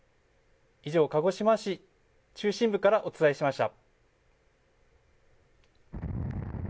以上、鹿児島市中心部からお伝えしました。